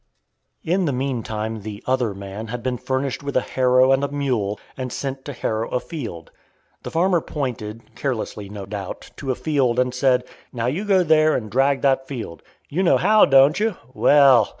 In the mean time the "other man" had been furnished with a harrow and a mule and sent to harrow a field. The farmer pointed, carelessly no doubt, to a field and said, "Now you go there and drag that field. You know how, don't you? Well!"